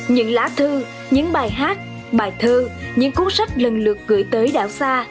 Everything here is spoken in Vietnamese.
những lá thư những bài hát bài thơ những cuốn sách lần lượt gửi tới đảo xa